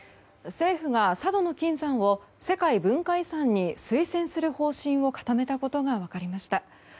政府が佐渡島の金山を世界文化遺産に推薦する方針を固めたことが分かりました。